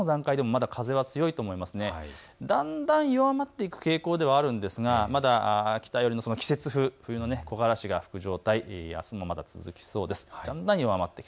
だんだん弱まっていく傾向ではあるんですがまだ北寄りの季節風、木枯らしが吹く状態、あすもまだ続きそうです。